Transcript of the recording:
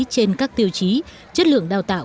trên các tiêu chí chất lượng đào tạo